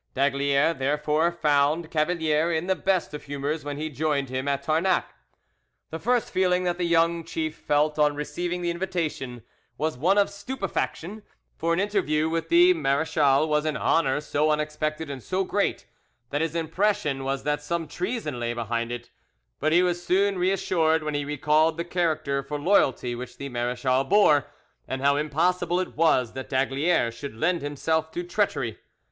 D'Aygaliers therefore found Cavalier in the best of humours when he joined him at Tarnac. The first feeling that the young chief felt on receiving the invitation was one of stupefaction; for an interview with the marechal was an honour so unexpected and so great, that his impression was that some treason lay behind it; but he was soon reassured when he recalled the character for loyalty which the marechal bore, and how impossible it was that d'Aygaliers should lend himself to treachery.